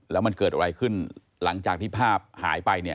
แล้วมันเกิดอะไรขึ้นหลังจากที่ภาพหายไปเนี่ย